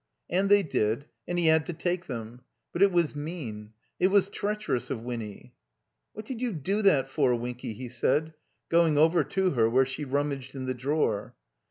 And they did, and he had to take them. But it was mean, it was treacherous of Winny. "What did you do that for, Winky?" he said, going over to her where she rummaged in the drawer.